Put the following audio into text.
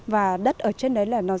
và đất ở trên đấy là nó rất khô